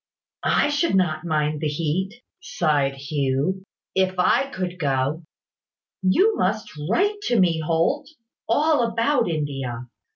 "I should not mind the heat," sighed Hugh, "if I could go. You must write to me, Holt, all about India.